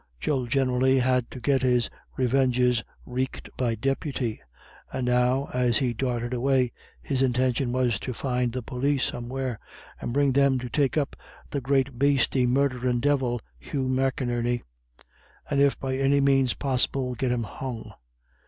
Joe generally had to get his revenges wreaked by deputy; and now, as he darted away, his intention was to find the pólis somewhere, and bring them to take up "that great bastely murdherin' divil, Hugh McInerney," and if by any means possible get him hung.